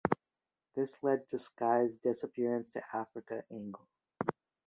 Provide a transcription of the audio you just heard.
This led to Sky's "Disappearance To Africa" angle.